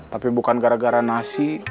tapi bukan gara gara nasi